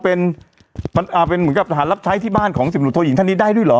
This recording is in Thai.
เป็นเหมือนกับทหารรับใช้ที่บ้านของสิบหุโทยิงท่านนี้ได้ด้วยเหรอ